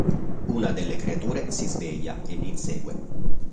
Una delle creature si sveglia e li insegue.